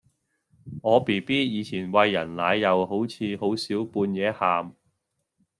我 bb 以前餵人奶又好似好少半夜喊